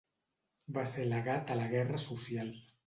Va ser legat a la guerra social.